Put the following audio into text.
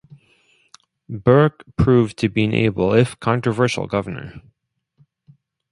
Bourke proved to be an able, if controversial, governor.